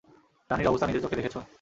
রানির অবস্থা নিজের চোখে দেখেছ!